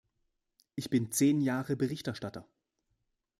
Ich bin zehn Jahre Berichterstatter.